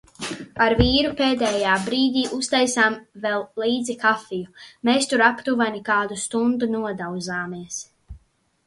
Ar vīru pēdējā brīdī uztaisām vēl līdzi kafiju. Mēs tur aptuveni kādu stundu nodauzāmies.